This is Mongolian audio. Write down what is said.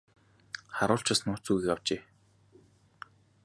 Харуул ч бас нууц үгийг авчээ.